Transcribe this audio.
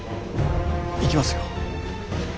行きますよ。